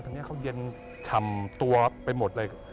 ตอนนี้เขาเย็นฉ่ำตัวไปหมดเลย